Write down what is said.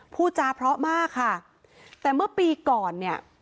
พูดจาเพราะมากค่ะแต่เมื่อปีก่อนเนี่ย